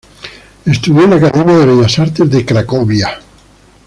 Estudió en la Academia de Bellas Artes de Cracovia.